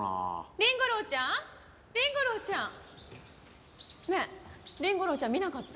凛吾郎ちゃん？凛吾郎ちゃん。ねえ凛吾郎ちゃん見なかった？